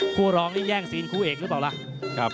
คู่รองนี่แย่งซีนคู่เอกหรือเปล่าล่ะ